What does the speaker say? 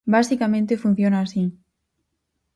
Basicamente funciona así.